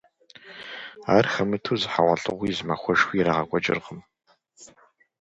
Ар хэмыту зы хьэгъуэлӏыгъуи, зы махуэшхуи ирагъэкӏуэкӏыркъым.